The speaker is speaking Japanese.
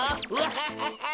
ハハハハ。